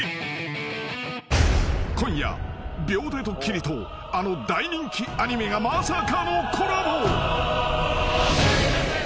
［今夜秒でドッキリとあの大人気アニメがまさかのコラボ］